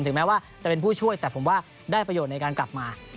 แม้ว่าจะเป็นผู้ช่วยแต่ผมว่าได้ประโยชน์ในการกลับมา